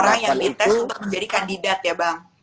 di tes untuk menjadi kandidat ya bang